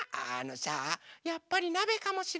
やっぱりなべかもしれないね。